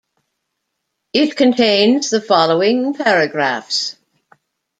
It contains the following paragraphs.